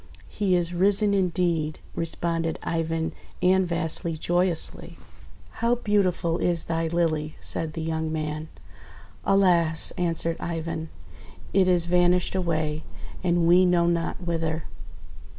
"He is risen, indeed !': responded Ivan and Vasily joyously. "How beautiful is thy Lily!'1' said the young man. "Alas!'1' answered Ivan, "it is vanished away, and we know not whither."